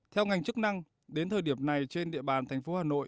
theo ngành chức năng đến thời điểm này trên địa bàn tp hà nội